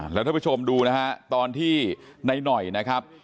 แล้วท่านผู้ชมดูนะฮะตอนที่ในหน่อยนะครับ